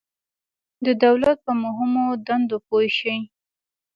د دولت په مهمو دندو پوه شئ.